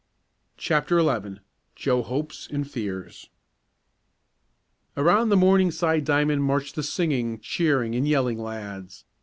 CHAPTER XI JOE HOPES AND FEARS Around the Morningside diamond marched the singing, cheering and yelling lads.